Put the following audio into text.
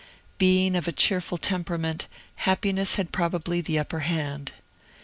Being of a cheerful temperament, happiness had probably the upper hand.